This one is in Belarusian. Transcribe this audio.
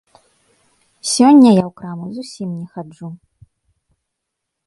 Сёння я ў краму зусім не хаджу.